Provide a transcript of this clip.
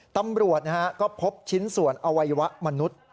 ตำรวจก็พบชิ้นส่วนอวัยวะมนุษย์